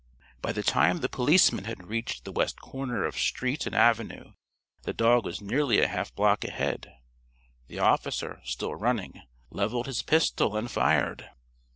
By the time the policeman had reached the west corner of street and avenue the dog was nearly a half block ahead. The officer, still running, leveled his pistol and fired.